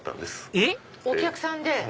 えっ⁉お客さんで。